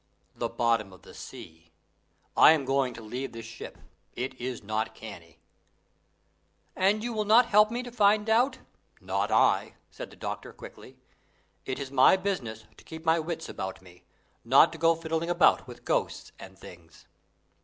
"The bottom of the sea. I am going to leave this ship. It is not canny." "Then you will not help me to find out " "Not I," said the doctor, quickly. "It is my business to keep my wits about me not to go fiddling about with ghosts and things."